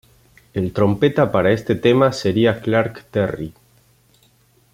El trompeta para este tema sería Clark Terry.